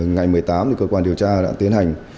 ngày một mươi tám cơ quan điều tra đã tiến hành